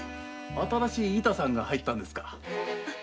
新しい板さんが入ったんですか？